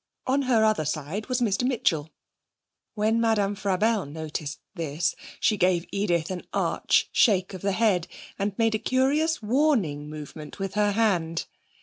On her other side was Mr Mitchell. When Madame Frabelle noticed this, she gave Edith an arch shake of the head, and made a curious warning movement with her hand.